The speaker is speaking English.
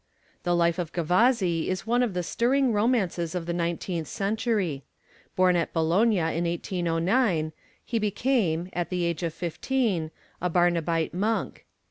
The life of Gavazzi is one of the stirring romances of the nineteenth century. Born at Bologna in 1809, he became, at the age of fifteen, a Barnabite monk.